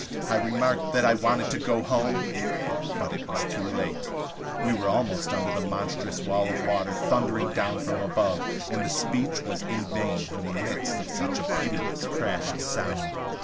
I remarked that I wanted to go home; but it was too late. We were almost under the monstrous wall of water thundering down from above, and speech was in vain in the midst of such a pitiless crash of sound.